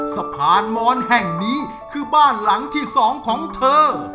สะพานมอนแห่งนี้คือบ้านหลังที่สองของเธอ